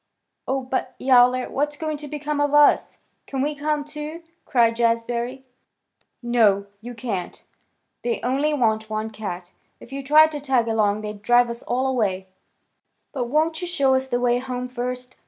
"Oh, but Yowler! What's going to become of us? Can we come, too?" cried Jazbury. "No, you can't. They only want one cat. If you tried to tag along they'd drive us all away." "But won't you show us the way home first?"